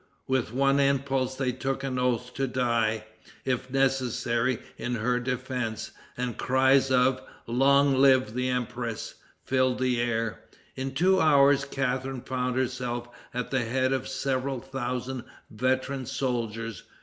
With one impulse they took an oath to die, if necessary, in her defense; and cries of "Long live the empress" filled the air. In two hours Catharine found herself at the head of several thousand veteran soldiers.